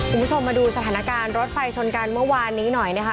คุณผู้ชมมาดูสถานการณ์รถไฟชนกันเมื่อวานนี้หน่อยนะคะ